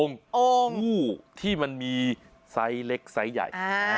งูที่มันมีไซส์เล็กไซส์ใหญ่